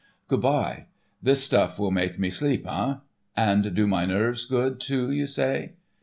Good by. This stuff will make me sleep, eh? And do my nerves good, too, you say?